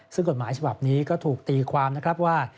ซึ่งกฎหมายฉบับนี้ก็ถูกตีความนะครับว่า